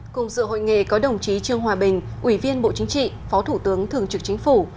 cùng dự hội nghề có đồng chí trương hòa bình ủy viên bộ chính trị phó thủ tướng thường trực chính phủ